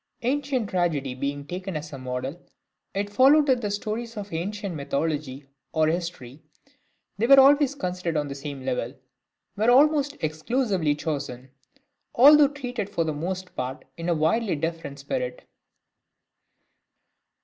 Ancient tragedy being taken as a model, it followed that the stories of ancient mythology or history (they were always considered on the same level) were almost exclusively chosen, although treated for the most part in a widely different spirit.